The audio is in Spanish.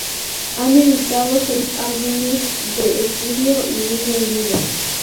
Han editado seis álbumes de estudio y uno en vivo.